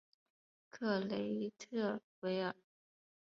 克雷特维尔。